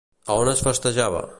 A on es festejava?